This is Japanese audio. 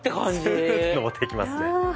スーッて上っていきますね。